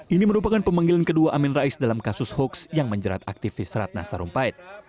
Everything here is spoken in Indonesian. ini merupakan pemanggilan kedua amin rais dalam kasus hoaks yang menjerat aktivis ratna sarumpait